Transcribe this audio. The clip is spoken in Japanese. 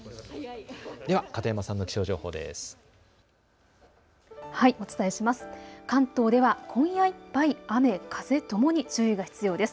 では片山さんの気象情報です。